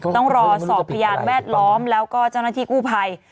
ต้องรอสอบพยานแวดล้อมแล้วก็เจ้าหน้าที่กู้ภัย